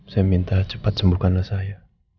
saya minta cepat sembuhkanlah saya